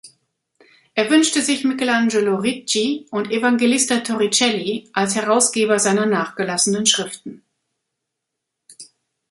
Er wünschte sich Michelangelo Ricci und Evangelista Torricelli als Herausgeber seiner nachgelassenen Schriften.